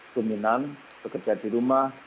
dominan bekerja di rumah